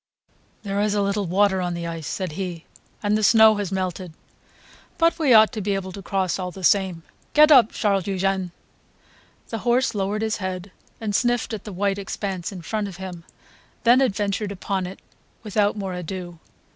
"There is a little water on the ice," said he, "and the snow has melted; but we ought to be able to cross all the same. Get up, Charles Eugene." The horse lowered his head and sniffed at the white expanse in front of him, then adventured upon it without more ado.